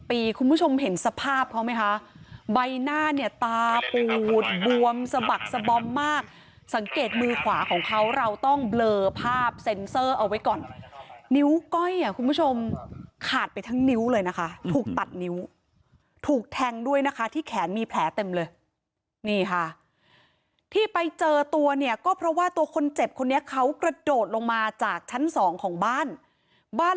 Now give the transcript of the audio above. คุณผู้ชมเห็นสภาพเขาไหมคะใบหน้าเนี่ยตาปูดบวมสะบักสะบอมมากสังเกตมือขวาของเขาเราต้องเบลอภาพเซ็นเซอร์เอาไว้ก่อนนิ้วก้อยอ่ะคุณผู้ชมขาดไปทั้งนิ้วเลยนะคะถูกตัดนิ้วถูกแทงด้วยนะคะที่แขนมีแผลเต็มเลยนี่ค่ะที่ไปเจอตัวเนี่ยก็เพราะว่าตัวคนเจ็บคนนี้เขากระโดดลงมาจากชั้นสองของบ้านบ้าน